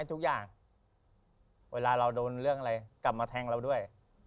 เวลาเราโดนเรื่องอะไรกลับมาแทงเราด้วย